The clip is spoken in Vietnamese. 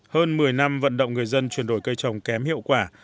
hơn một mươi năm vận động người dân chuyển đổi cây trồng kém hiệu quả